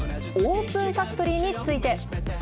オープンファクトリーについて。